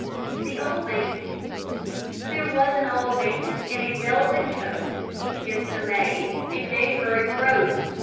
THE OLD MAN There was an old man In a velvet coat, He kissed a maid And gave her a groat.